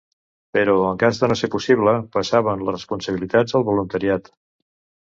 Però, en cas de no ser possible, passaven les responsabilitats al voluntariat.